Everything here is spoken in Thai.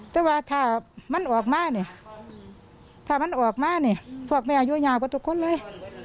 แต่ว่ามันออกมาละเนี่ยที่มันออกมานะต่อไปอายุยาวกว่าทุกคนเลย